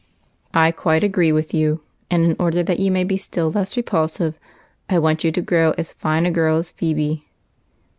" I quite agree with you ; and in order that you may be still less repulsive, I Avant you to grow as fine a girl as Phebe."